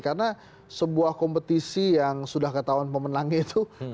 karena sebuah kompetisi yang sudah ketahuan pemenangnya itu